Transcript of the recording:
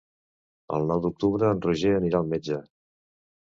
El nou d'octubre en Roger anirà al metge.